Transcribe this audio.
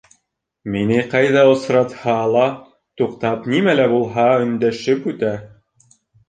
Мине ҡайҙа осратһа ла, туҡтап, нимә лә булһа өндәшеп үтә.